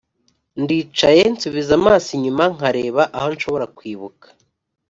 ndicaye nsubiza amaso inyuma nkareba aho nshobora kwibuka,